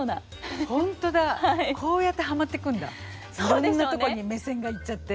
いろんなとこに目線が行っちゃって。